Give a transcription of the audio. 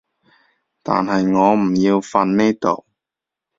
但係我唔要瞓呢度